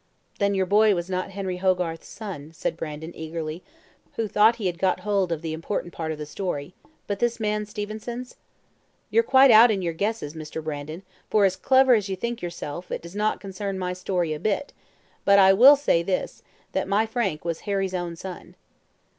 "Then your boy was not Henry Hogarth's son," said Brandon, eagerly, who thought he had got hold of the important part of the story, "but this man Stevenson's?" "You're quite out in your guesses, Mr. Brandon, for as clever as you think yourself; it does not concern my story a bit, but I will say this, that my Frank was Harry's own son."